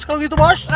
kalau gitu bos